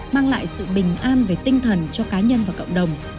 mang lại sự bình an về tinh thần cho cá nhân và cộng đồng